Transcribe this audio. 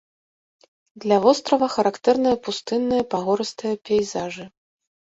Для вострава характэрныя пустынныя пагорыстыя пейзажы.